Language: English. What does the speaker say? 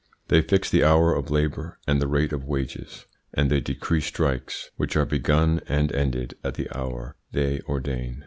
They fix the hours of labour and the rate of wages, and they decree strikes, which are begun and ended at the hour they ordain.